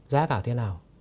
giá cả thế nào